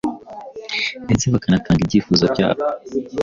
ndetse bakanatanga ibyifuzo byabo